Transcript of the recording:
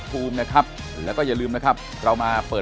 มุมนักวิจักรการมุมประชาชนทั่วไป